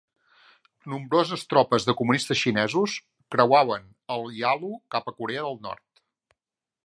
Nombroses tropes de comunistes xinesos creuaven el Yalu cap a Corea del Nord.